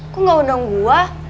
kok gak undang gua